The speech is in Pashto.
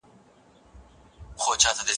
زه پرون کالي مينځلي.